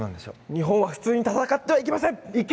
日本は普通に戦ってはいけません！